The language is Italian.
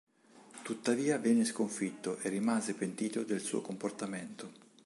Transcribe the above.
Tuttavia venne sconfitto e rimase pentito del suo comportamento.